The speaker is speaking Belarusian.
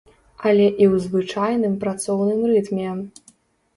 Але і ў звычайным працоўным рытме.